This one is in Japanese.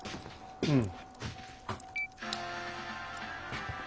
うん。